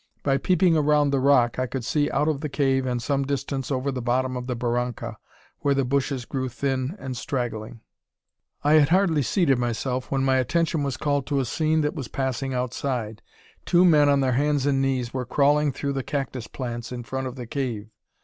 By peeping round the rock, I could see out of the cave and some distance over the bottom of the barranca, where the bushes grew thin and straggling. I had hardly seated myself when my attention was called to a scene that was passing outside. Two men on their hands and knees were crawling through the cactus plants in front of the cave.